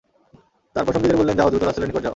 তারপর সঙ্গীদের বললেন, যাও, দ্রুত রাসূলের নিকট যাও।